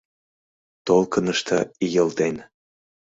Толкынышто ийылден.